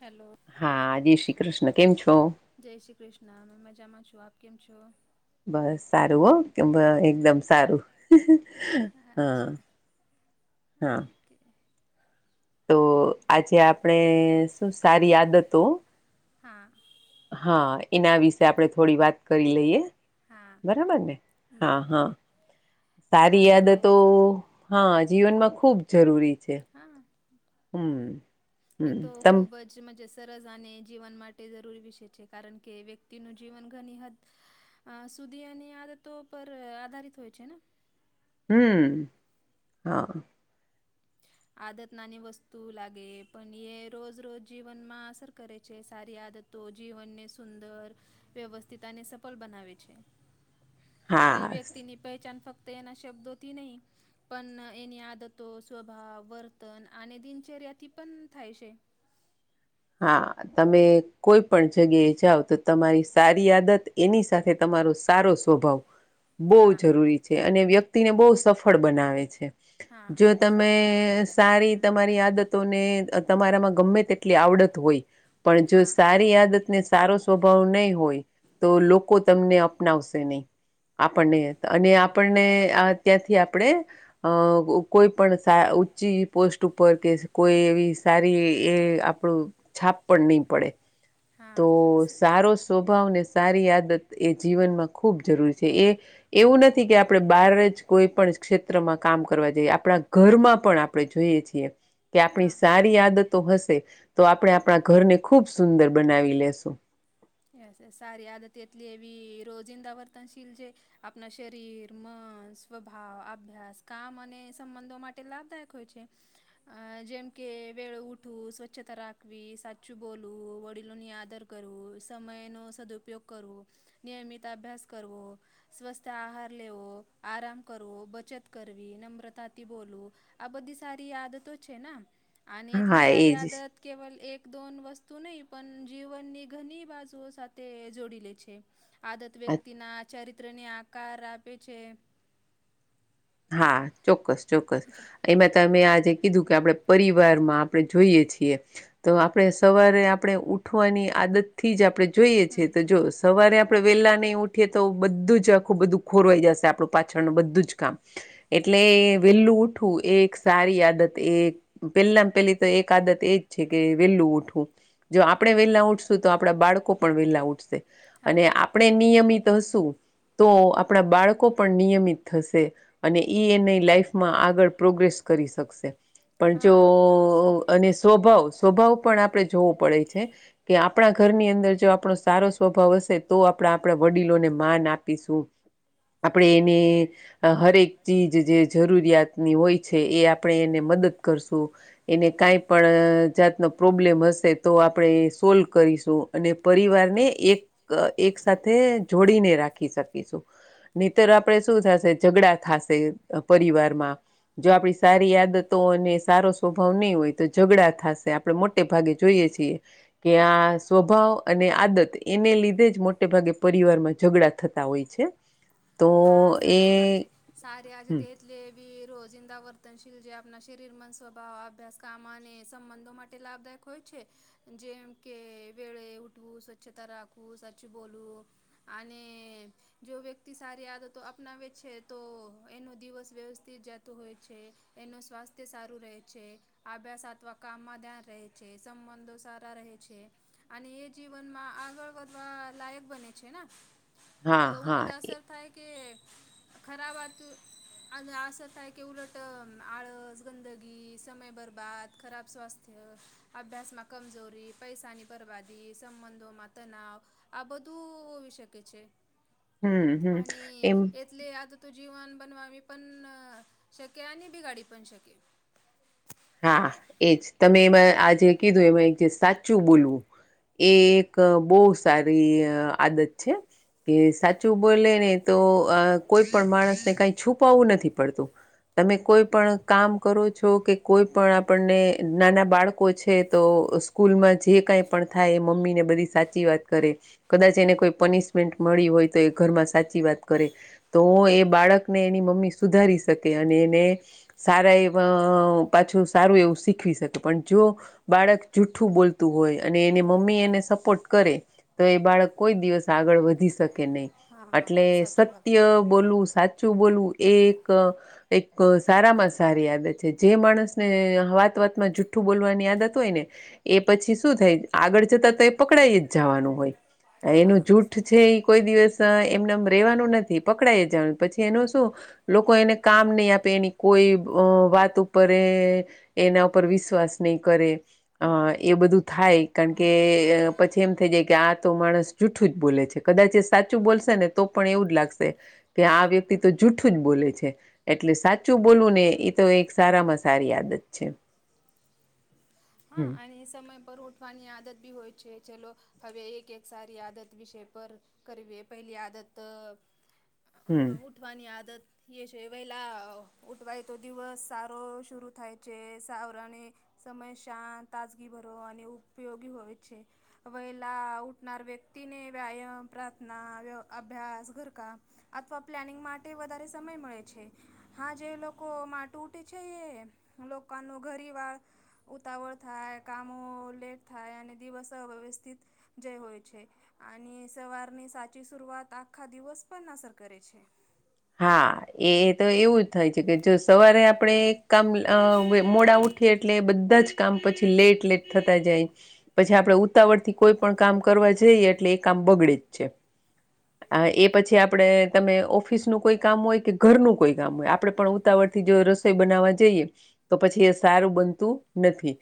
Hello. હા, આજે શ્રી કૃષ્ણ કેમ છો? જય શ્રી કૃષ્ણ અ મજામાં છું, આપ કેમ છો? બસ સારું હો કે, એકદમ સારું. હા, અચ્છા હા. ઓકે તો આજે આપણે શું સારી આદતો? હા. હા, એના વિશે આપણે થોડી વાત કરી લઈએ. હા બરાબર ને. હા, બરાબર હા, સારી યાદ તો. હા, જીવનમાં ખુબ જરૂરી છે. હા, હમ એ હમ તો તમ ખુબ જ જ સરસ અને જીવન માટે જરૂરી વિષ છે, કારણ કે વ્યક્તિનું જીવન ઘણી હ. અ સુધી અનેની આદતો પર આધારિત હોય છે ને. હમ, હા. આદત નાની વસ્તુ લાગે, પણ એ રોજ-રોજ જીવનમાં સર. કરે છે, સારી આદતો જીવનને સુંદર. વ્યવસ્થિતતાને સફળ બનાવે છે, કોઈ હા વ્યક્તિની. પહેચાન ફક્ત એના શબ્દોથી નહી, પણ એની આદતો સ્વભાવ, વર્તન અને દિનચર્યાથી પણ થાય છે. હા. તમે કોઈ પણ જગ્યાએ જાઓ તો, તમારી સારી આદત એની સાથે તમારો સારો સ્વભાવ. હ. બહુ જરૂરી છે, અને વ્યક્તિને બહુ સફળ બનાવે છે. હા જો તમે સારું સારી તમારી આદતોને, તમારામાં ગમે તેટલી આવડ હોય, પણ જો હા સારી આદતને સારો સ્વભાવ નહીં હોય, તો લોકો તમને અપનાવશે નહી. આપણને, અને આપણને આ ત્યાંથી આપણે અ કોઈ પણ ઊંચી પોસ્ટ ઉપર કે, કોઈ એવી તારી એ આપણું છાપ પણ નહી પડે હા તો સ- સારો સ્વભાવને સારી આદત એ જીવનમાં ખૂબ જરૂરી છે એ એવું નથી કે આપણે બહાર જ કોઈ પણ ક્ષેત્રમાં કામ કરવા જઈએ આપણા ઘરમાં પણ આપણે જોઈએ છીએ કે હા આપણી સારી આદતો હશે. તો આપણે આપણા ઘરને ખુબ સુંદર બનાવી લેશું. એસ સારી આદત એ હતીલી એવી રોજિંદા વર્તનશીલ જે આપણા શરીર મન સ્વભાવ અભ્યાસ કામ અને સંબંધો માટે લાભદાયક હોય છે. આ જેમ કે વેળ ઉઠવું સ્વચ્છતા રાખવી સાચું બોલવું વડીલોની આદર કરવું સમય નો સદઉપયોગ કરવો નિયમિત અભ્યાસ કરવો. સ્વસ્થ આહાર લેવો આરામ કરવો બચત કરવી નમ્રતાથી બોલવું, આ બધી સારી આદતો છે ને આને એટલી હા સારી એજ આદત કેવલ એક દોન વસ્તુ નહી પણ જીવનની ઘની બાજુ શું સાથે જોડી લે છે આદત વ્યક્તિ ના ચરિત્ર ની આ કાર આપે છે. હા ચોક્કસ ચોક્કસ એમાં તમે આજે કીધું કે આપણે પરિવારમાં આપણે જોઈએ છીએ. તો આપણે સવારે આપણે ઉઠવાની આદત થી જ આપણે જોઈએ છે હમ. તો જો સવારે આપણેે વેલા નહી ઉઠીએ. તો બધું જ આખૂબ બધું ખોરવાઈ જશે આપણું પાછળનું બધું જ કામ હા. એટલે વેલું ઉઠવું એક સારી આદત એક પેલા પેલી તો એક આદત એજ છે કે વેલું ઉઠવું. જો આપણે વેહેલા ઉઠશું તો આપણા બાળકો પણ વેલા ઉઠશે હા અને આપણે નિયમિત હશું તો આપણા બાળકો પણ નિયમિત થશે. અને ઈ એ ને લાઈફમાં આગળ પ્રોગ્રેસ કરી શકશે. પણ જો હા સારું વાત અને છે. સ્વભાવ સ્વભાવ પણ આપણે જોવો પડે છે. કે આપણા ઘરની અંદર જો આપણો સારો સ્વભાવ હશે તો આપણા આપણા વડીલોને માન આપીશું. [inaudible] આપણે એને હરેક ચીજ જે જરૂરિયાતની હોય છે એ આપણે એને મદદ કરશું. એને કઈ પણ જાતનો પ્રોબ્લેમ હશે તો આપણે એ સોલ્વ કરીશું. અને પરિવારને એક એક સાથે જોડીને રાખી શકીશું. નીતર આપણેે શું થશે ઝઘડા થશે પરિવારમાં જો આપડી સારી આદતો અને સારો સ્વભાવ નહી હોય તો ઝઘડા થશે. આપડણે મોટે ભાગે જોઈએ છીએ. કે આ સ્વભાવ અને આદત એને લીધે જ મોટે ભાગે પરિવાર માં ઝઘડા થતા હોય છે. [inaudible] તો એ. સાર આજે હમ, તે જ લ રોજિંદા વર્તનશીલ જે આપણા શરીરમાં સ્વભાવ અભ્યાસ કામ અને સંબંધો માટે લાભદાયક હોય છે જેમ કે વેળે ઉઠવું સ્વચ્છતા રાખવું સાચું બોલવું. અને જો વ્યક્તિ સારી આદત તો અપનાવે છે તો એનો દિવસ વ્યવસ્થિત જતો હોય છે એનો સ્વાસ્થ તે સારું રહે છે અભ્યાસ અથવા કામમાં ધ્યાન રહે છે સંબંધો સારા રહે છે. અને એ જીવનમાં આગળ વધવા લાયક બને છે ને હા તો ઉલટ હા અસર થાય કે ખરાબ અતું. અને અસર થાય કે ઉલટ આળસ ગંદગી સમય બરબાદ ખરાબ સ્વાસ્થ્ય અભ્યાસમાં કમજોરી પૈસાની બરબાદી સંબંધોમાં તનાવ આ બધું હોવી શકે છે હમ્મ પાણી અને એ એટલે આદતું જીવન બનવાવી પણ શકે અને બિગાડી પણ શકે હા એજ તમે એમાં આ જે કીધું એમાં એક જે સાચું બોલવું એ એક બવ સારી આદત છે કે સાચું બોલે ને તો કોઈ પણ માણસને કઈ છુપાવવું નથી પડતું તમે કોઈ પણ કામ કરો છો કે કોઈ પણ આપણને નાના બાળકો છે તો સ્કૂલ માં જે કઈ પણ થાય એ મમ્મી ને બધી સાચી સાચી વાત કરે કદાચ એને કોઈ પનિશમેન્ટ મળી હોય તો એ ઘરમાં સાચી વાત કરે તો એ બાળકને એની મમ્મી સુધારી શકે અને એને સારા એવા પાછું સારું એવું શીખવી શકે પણ જો બાળક જૂઠ્ઠું બોલતું હોય અને એને મમ્મી એને સપોર્ટ કરે તો એ બાળક કોઈ દિવસ આગળ વધી શકે નહી હા એટલે સાચી વાત સત્ય બોલવું સા સાચું બોલવું એ એક એક સારામાં સારી આદત છે જે માણસ ને વાત વાત માં જુઠ્ઠું બોલવાની આદત હોય ને એ પછી શું થાય આગળ જતા તો એ પકડાાય જ જવાનું હોય હા એનું જૂઠ છે સાચું એ કોઈ દિવસ એમનેમ રેવાનું નથી પકડાય જ પછી એનું શું લોકો એને કામ નહીં આપે એની કોઈ વાત ઉપર રે એના ઉપર વિશ્વાસ નહીં કરે અ એ બધું થાય કારણ કે પછી એમ થઈ જાય કે આ તો માણસ જૂઠું જ બોલે છે કદાચ એ સાચું બોલશે ને તો પણ એવું જ લાગશે કે આ વ્યક્તિ તો જૂઠું જ બોલે છે એટલે સાચું બોલવું ને એ તો એક સારામાં સારી આદત છે હમ્મ હા અને સમય પર ઉઠવાની આદત બી હોય છે ચલો હવે એક એક સારી આદત વિષય પર કરવીએ પહેલી આદત હમ્મ ઉઠવાની આદત ઈયે છે વહેલા ઉઠવા એતો દિવસ સારો શુરુ થાય છે સાવરણી સમય શાત તાજગી ભરો અને ઉપયોગી હોય છે વયલા ઉઠનાર વ્યક્તિને વ્યાયામ પ્રાર્થના વ અભ્યાસ ઘરકમ અથવા પ્લાનિંગ માટે વધારે સમય મળે છે હા જે લોકો માટું ઉટે છે એ લોકાનો ઘરી વાળ ઉતાવળ થાય કામો લેટ થાય અને દિવસ અવ્યવસ્થિત જ હોય છે અને સવારની સાચી શૂરઆત આખા દિવસ પણ અસર કરે છે હા એ તો એવું થાય છે કે જો સવારે આપણે કામ મોડા ઉઠીએ એટલે બધા જ કામ પછી લેટ લેટ થતા જાય પછી આપણેે ઉતાવળ થી કોઈ પણ કામ કરવા જઈએ એટલે એ કામ બગડે જ છે એ પછી આપણેે તમે ઓફ ઓફિસનું કોઈ કામ હોય કે ઘરનું કોઈ કામ હોય આપડણે પણ ઉતાવળ થી જો રસોઈ બનાવવા જઈએ તો પછી એ સારું બનતું નથી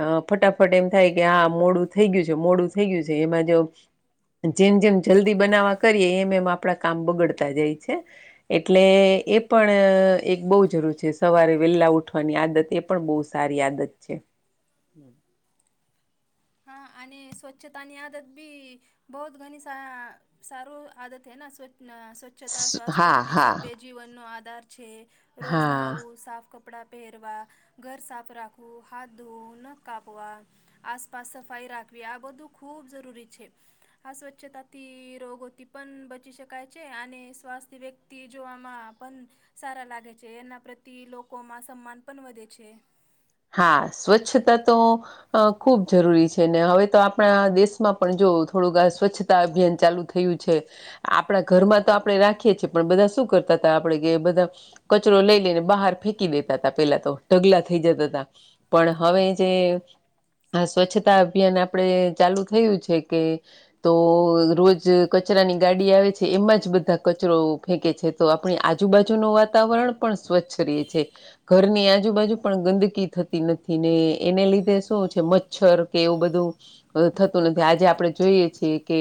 અ ફટાફટ એમ થાય કે હા મોડું થઈ ગયું છે મોડું થઈ ગયું છે એમાં જ જેમ જેમ જલ્દી બનાવવા કરીએ એમ એમ આપડા કામ બગડતા જાય છે એટલે એ પણ એક બહુ જરૂર છે સવારે વેલા ઉઠ વાની આદત એ પણ બહુ સારી આદત છે. હા અને સ્વચ્છતાની આદત બી બહુત ઘણી સા સારું આદત હૈના સ્વચ્છતા સ્વાસ્થ્ય હા અને સ હા. બેજ જીવન નો આધાર છે રોજના હા આવું સાફ કપ કપડાં પહેરવા ઘર સાફ રાખવું હાથ ધોવું નખ કાપવા આસ પાસ સફાઈ રાખવી આ બધું ખૂબ જરૂરી છે. આ સ્વચ્છતાથી રોગોથી પણ બચી શકાય છે અને શ્વાસ વ્યક તી જોવામાં પણ સારા લાગે છે એના પ્રત્યે લોકોમાં સન્માન પણ વધે છે. હા સ્વચ્છતા તો અ ખૂબ જરૂરી છે ને હવે તો આપણા દેશમાં પણ જો થોડુંક આ સ્વચ્છતા અભિયાન ચાલુ થયું છે. આપણા ઘરમાં તો આપણે રાખીએ છીએ પણ બધા શું કરતા તા આપડે કે બધા કચરો લઈ લઈને બહાર ફેંકી દેતા હતા પેલા તો ઢગલા થઈ જતા હતા. તા પણ હવે જે આ સ્વચ્છતા અભિયાન આપડે ચાલુ થયું છે કે તો રોજ કચરાની ગાડી આવે છે એમાં જ બધા કચરો ફેંકે છે તો આપણી આજુબાજુ નુ વાતાવરણ પણ સ્વચ્છ રહે છે. ઘરની આજુબાજુ પણ ગંદકી થતી નથી ને એને લીધે શું છે મચ્છર કે એવું બધું થતું નથી આજે આપણે જોઈએ છીએ કે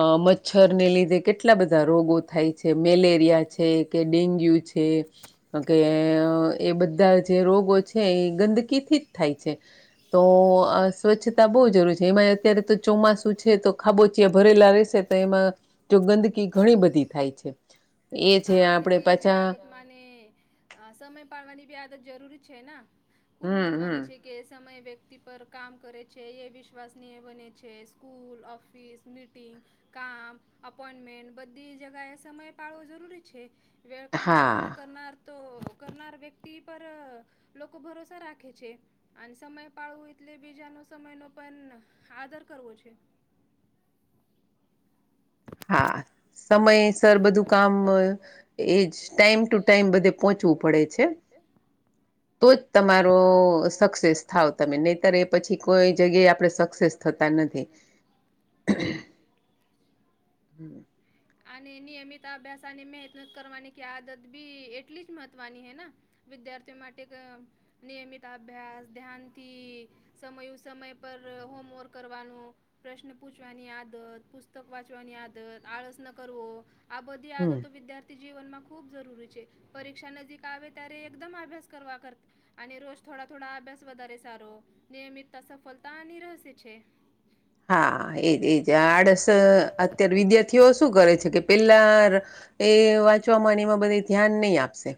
અ મચ્છરને લીધે કેટલા બધા રોગો થાય છે મેલેરિયા છે કે ડેન્ગ્યુ છે. કે કે એ બધા જે રોગો છે એ ગંદકીથી જ થાય છે. તો સ્વચ્છતા બહુ જરૂરી છે એમાં અત્યારે તો ચોમાસું છે તો ખાબોચીયા ભરેલા રહેશે તો એમાં જો ગંદકી ઘણી બધી થાય છે. એ છે હા આપ અને તે જે આદત મને હ સમય પાડવાની બી આદત જરૂરી છે ને ખૂબ હમ હમ મહત્વની છે. કે સમય વ્યક્તિ પર કામ કરે છે એ વિશ્વાસનીય બને છે સ્કૂલ, ઓફિસ મીટિંગ, કામ, અપોઈન્ટમેન્ટ, બધી જગાએ સમય પાળવો જરૂરી છે. વેળ કામ હા પૂર્ણ કરનાર તો કરનાર વ્યક્તિ પર લોકો ભરોસા રાખે છે. અને સમય પાડવો એટલે બીજાનો સમય નો પણ આદર કરવો છે. હા સમય સર બધું કામ એજ ટાઈમ ટુ ટાઈમ બધે પહોંચવું પડે છે. તો જ તમારો સક્સેસ થાવ તમે નહીતર એ પછી કોઈ જગ્યાએ આપડે સક નથ થતા નથી. [inaudible] હમ અને નિયમિત અભ્યાસ અને મહેનત કરવાની કે આદત બી એટલી જ મહત્વની હેને વિદ્યાર્થીઓ માટે ક નિયમિત અભ્યાસ ધ્યાનથી સમયું સમય પર હોમવર્ક કરવાનું પ્રશ્ન પૂછવાની આદત પુસ્તક વાંચવાની આદત આળસ ન કરવો આ બધી આદતો વિદ્યાર્થી થી જીવનમાં ખૂબ જરૂરી છે પરીક્ષા નજીક આવે ત્યારે એકદમ અભ્યાસ કરવા કરતા અને રોજ થોડા થોડા અભ્યાસ વધારે સારો નિયમિતા સફળતાની રહેસે છે. હા એજ એજ આડસ અત્યાર વિદ્યાર્થીઓજ હુ કરે છે કે પેલા એ વાંચવામાં એમાં બધે ધ્યાન નહી આપશે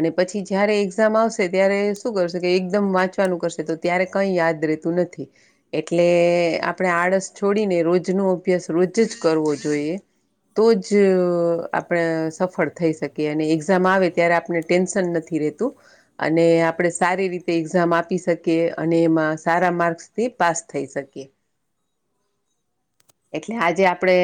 અને પછી જ્યારે એક્ઝામ આવશે ત્યારે શું કરશે કે એકદમ વાંચવાનું કરશે તો ત્યારે કઈ યાદ રેતું નથી એટલે આ પડે આડસ છોડીને રોજ નો અભ્યાસ રોજ જ કરવો જોઈએ. તો જ આપડે અ સફળ થઈ શકીએ અને એક્ઝામ આવે ત્યારે આપને ટેન્શન નથ ઈ રેતુ અને આપડે સારી રીતે એક્ઝામ આપી શકીએ અને એમાં સારા માર્ક્સથી પાસ થઈ શકીએ એટલે આજે આપડે